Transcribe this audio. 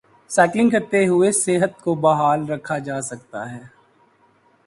cycling کرتے ہوئے صحت کو بحال رکھا جا سکتا ہے